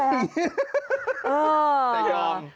แต่ยอม